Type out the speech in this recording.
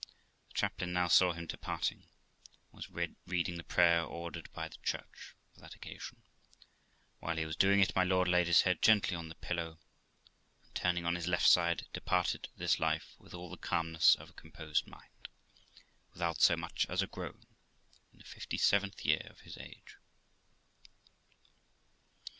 The chaplain now saw him departing, and was reading the prayer ordered by the Church for that occasion ; and, while he was doing it, my lord laid his head gently on the pillow, and turning on his left side, departed this life with all the calmness of a com posed mind, without so much as a groan, in the fifty seventh year of his age.